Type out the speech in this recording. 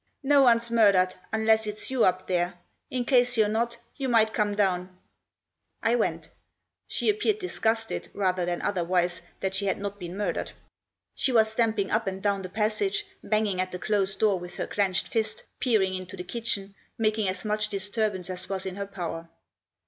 " No one's murdered, unless it's you up there. In case you're not, you might come down." I went. She appeared disgusted, rather than other Digitized by 1121 THE JOSS. wise, that she had not been murdered. She was stamping up and down the passage, banging at the closed door with her clenched fist, peering into the kitchen, making as much disturbance as was in her power.